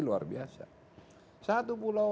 luar biasa satu pulau